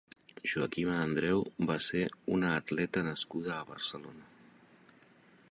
Joaquima Andreu va ser una atleta nascuda a Barcelona.